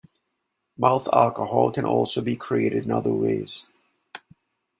Mouth alcohol can also be created in other ways.